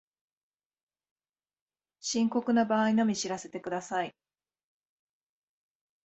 深刻な場合のみ知らせてください